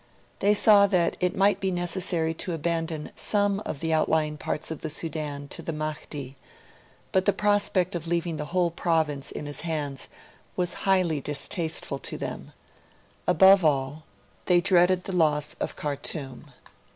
They saw that it might be necessary to abandon some of the outlying parts of the Sudan to the Mahdi; but the prospect of leaving the whole province in his hands was highly distasteful to them; above all, they dreaded the loss of Khartoum.